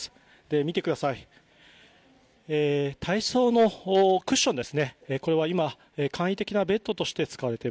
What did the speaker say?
見てください。